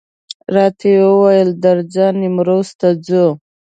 راته وویل درځه نیمروز ته ځو.